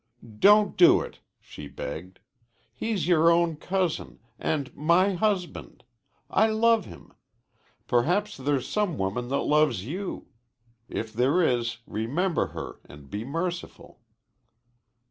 "Don't do it!" she begged. "He's your own cousin and my husband. I love him. Perhaps there's some woman that loves you. If there is, remember her and be merciful."